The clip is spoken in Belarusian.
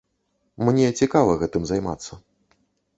Мне цікава гэтым займацца.